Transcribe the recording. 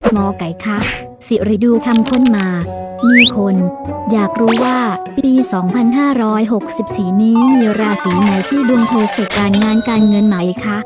หมอไก่คะสิริดูทำค้นมามีคนอยากรู้ว่าปี๒๕๖๔นี้มีราศีไหนที่ดวงเพอร์เฟคการงานการเงินไหมคะ